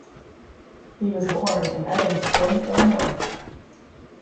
He was born in Evanston, Illinois.